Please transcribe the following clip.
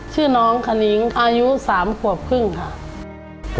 ชื่อน้องขนิ้งอายุ๓ขวบครึ่งค่ะ